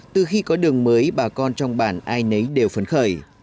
từ khi có đường mới bà con trong bản ai nấy đều phấn khởi